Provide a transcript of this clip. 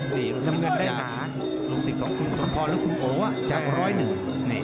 รูปสิทธิ์ของคุณสมพรหรือคุณโอว่ะจากร้อยหนึ่ง